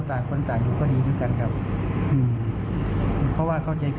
อ้าว